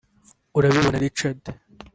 urabibona Richard